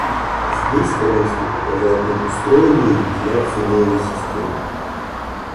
Здесь Вронский показал им устроенную вентиляцию новой системы.